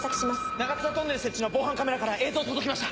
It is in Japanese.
長津田トンネル設置の防犯カメラから映像届きました。